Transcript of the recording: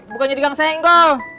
bukannya di gang senggol